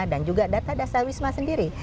dan juga data dasar wisma sendiri